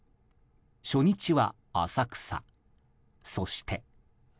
初日は浅草、そして。